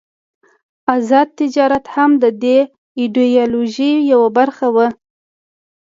آزاد تجارت هم د دې ایډیالوژۍ یوه برخه وه.